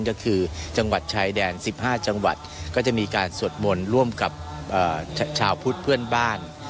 ก็คือจังหวัดชายแดน๑๕จังหวัดก็จะมีการสวดมนต์ร่วมกับชาวพุทธเพื่อนบ้าน